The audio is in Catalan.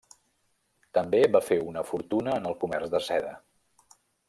També va fer una fortuna en el comerç de seda.